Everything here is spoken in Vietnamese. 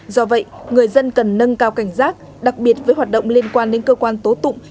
do vậy người dân cần nâng cao cảnh giác đặc biệt với hoạt động liên quan đến cơ quan tố tụng